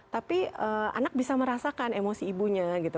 tapi anak bisa merasakan emosi ibunya gitu